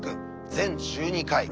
全１２回。